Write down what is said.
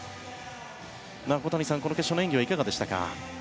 小谷さん、この決勝の演技はいかがでしたか？